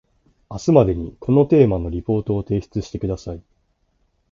明日までにこのテーマのリポートを提出してください